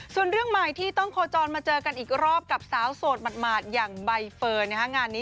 ส่วนเรื่องใหม่ที่ต้องโคจรมาเจอกันอีกรอบกับสาวโสดหมาดอย่างใบเฟิร์นงานนี้